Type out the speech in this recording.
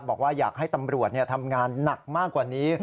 บอกว่าอยากให้ตำรวจทำงานหนักมากกว่านี้